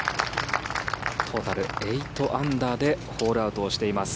トータル８アンダーでホールアウトをしています。